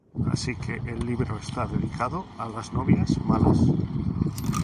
Así que el libro está dedicado a las novias malas".